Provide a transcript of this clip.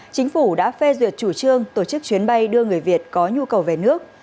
chính phủ đã phê duyệt chủ trương tổ chức chuyến bay đưa người việt có nhu cầu về nước